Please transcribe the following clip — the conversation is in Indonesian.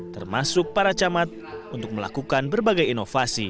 termasuk para camat untuk melakukan berbagai inovasi